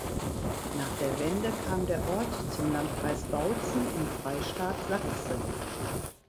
Nach der Wende kam der Ort zum Landkreis Bautzen im Freistaat Sachsen.